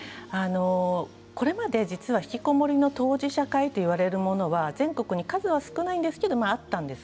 これまでひきこもりの当事者会と言われるのは全国に数は少ないですがあったんです。